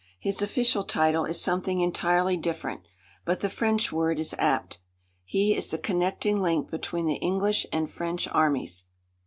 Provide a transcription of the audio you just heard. His official title is something entirely different, but the French word is apt. He is the connecting link between the English and French Armies.